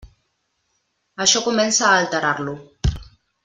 Això comença a alterar-lo.